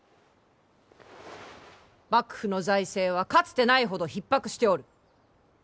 幕府の財政はかつてないほどひっ迫しておる。